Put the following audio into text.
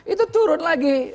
itu turun lagi